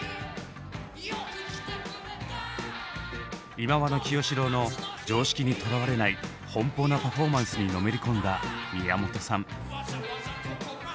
忌野清志郎の常識にとらわれない奔放なパフォーマンスにのめり込んだ宮本さん。